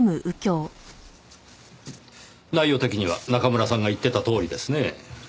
内容的には中村さんが言ってたとおりですね。